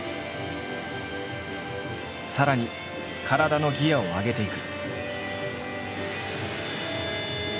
さらに体のギアを上げていく。